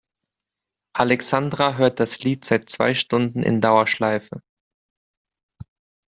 Alexandra hört das Lied seit zwei Stunden in Dauerschleife.